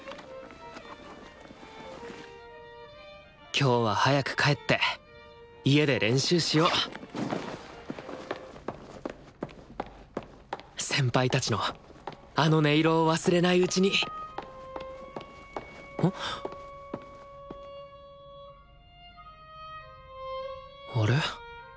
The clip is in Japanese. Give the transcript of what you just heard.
今日は早く帰って家で練習しよう先輩たちのあの音色を忘れないうちに・あれ？